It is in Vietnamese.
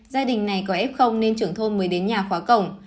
gia đình này có f nên trưởng thôn mới đến nhà khóa cổng